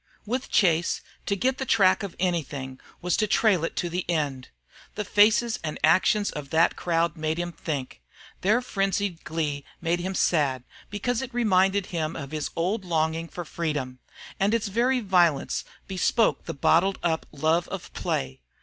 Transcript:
With Chase, to get the track of anything, was to trail it to the end. The faces and actions of that crowd made him think; their frenzied glee made him sad, because it reminded him of his old longing for freedom, and its very violence bespoke the bottled up love of play.